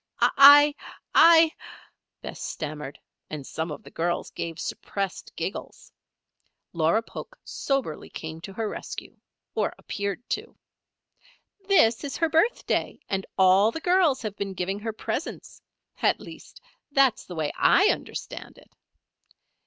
"I I ," Bess stammered, and some of the girls gave suppressed giggles. Laura Polk soberly came to her rescue or appeared to. "This is her birthday, and all the girls have been giving her presents. At least, that is the way I understand it."